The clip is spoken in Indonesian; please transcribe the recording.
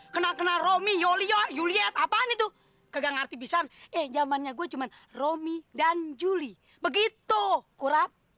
kenal kenal romy yolio juliet apaan itu kegak ngerti pisan eh jamannya gua cuma romy dan julie begitu kurap